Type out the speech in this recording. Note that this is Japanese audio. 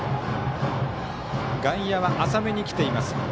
外野は浅めに来ています。